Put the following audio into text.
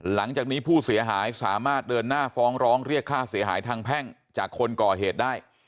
หลังจากนี้ผู้เสียหายสามารถเดินหน้าฟ้องร้องเรียกค่าเสียหายทางแพ่งจากคนก่อเหตุได้